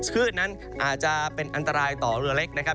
คลื่นนั้นอาจจะเป็นอันตรายต่อเรือเล็กนะครับ